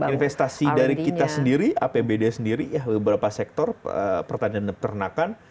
investasi dari kita sendiri apbd sendiri beberapa sektor pertanian perenakan